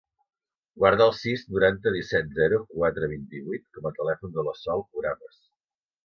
Guarda el sis, noranta, disset, zero, quatre, vint-i-vuit com a telèfon de la Sol Oramas.